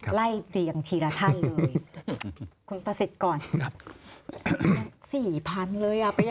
อ่ะไล่เจียงทีละท่านเลย